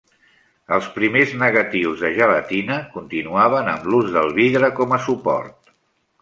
Els primers negatius de gelatina continuaven amb l'ús del vidre com a suport.